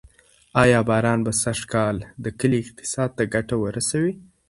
آیا باران به سږکال د کلي اقتصاد ته ګټه ورسوي؟